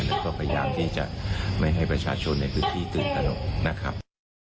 แล้วก็พยายามที่จะไม่ให้ประชาชนในพื้นที่ตื่นตนกนะครับ